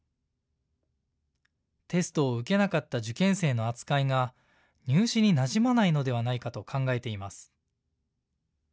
テストを受けなかった受験生の扱いが入試になじまないのではないかと考えています。